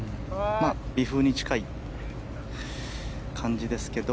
微風に近い感じですけど。